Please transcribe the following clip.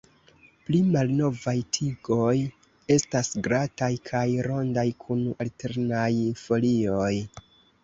Pli malnovaj tigoj estas glataj kaj rondaj kun alternaj folioj.